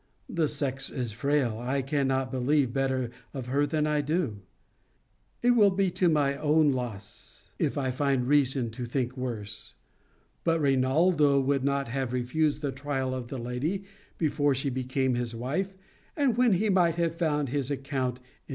The sex is frail. I cannot believe better of her than I do. It will be to my own loss, if I find reason to think worse.' But Rinaldo would not have refused the trial of the lady, before she became his wife, and when he might have found his account in detecting her.